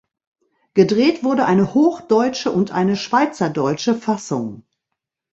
Gedreht wurde eine hochdeutsche und eine schweizerdeutsche Fassung.